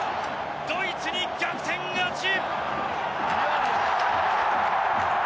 ドイツに逆転勝ち！